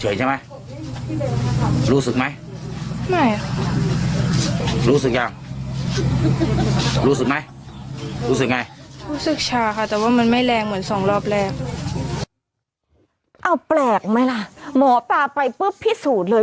แต่ว่ามันไม่แรงเหมือนสองรอบแรกเอาแปลกไหมล่ะหมอปลาไปปุ๊บพิสูจน์เลย